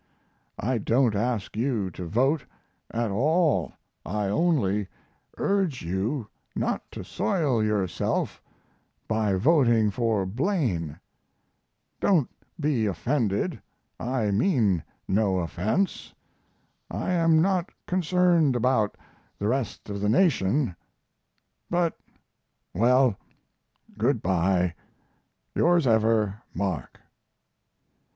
I don't ask you to vote at all. I only urge you not to soil yourself by voting for Blaine.... Don't be offended; I mean no offense. I am not concerned about the rest of the nation, but well, good by. Yours ever, MARK.